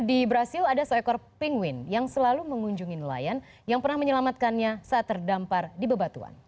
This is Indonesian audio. di brazil ada seekor penguin yang selalu mengunjungi nelayan yang pernah menyelamatkannya saat terdampar di bebatuan